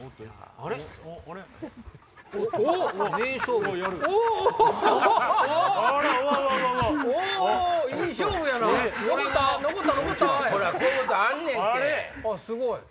あっすごい！